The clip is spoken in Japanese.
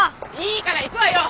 いいから行くわよ！